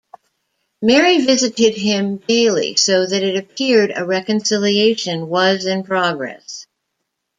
Mary visited him daily, so that it appeared a reconciliation was in progress.